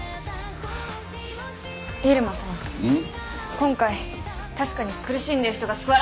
今回確かに苦しんでいる人が救われ。